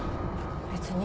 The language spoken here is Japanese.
別に。